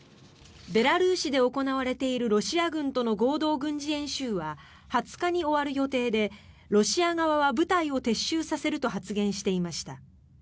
ベラルーシで行われているロシア軍との合同軍事演習は２０日に終わる予定でロシア側は部隊を撤収させると発言していました。